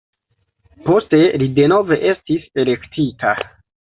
Poste li denove estis elektita.